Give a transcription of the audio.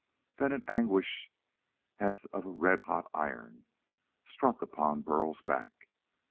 Then an anguish as of red hot iron struck upon Burl's back.